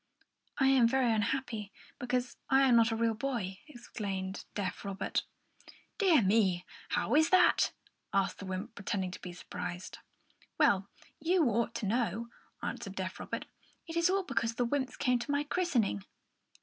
"I am very unhappy, because I am not a real boy," explained deaf Robert. "Dear me! How is that?" asked the wymp, pretending to be surprised. "Well, you ought to know," answered deaf Robert. "It is all because the wymps came to my christening."